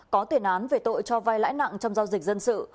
có tiền án về tội cho vai lãi nặng trong giao dịch dân sự